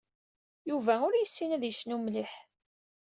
Yuba ur yessin ad yecnu mliḥ.